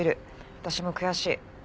私も悔しい。